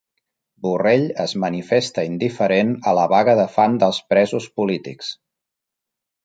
Borrell es manifesta indiferent a la vaga de fam dels presos polítics